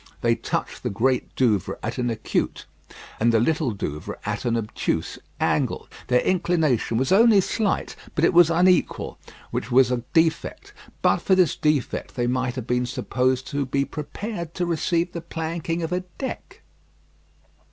They touched the Great Douvre at an acute, and the Little Douvre at an obtuse angle. Their inclination was only slight; but it was unequal, which was a defect. But for this defect, they might have been supposed to be prepared to receive the planking of a deck.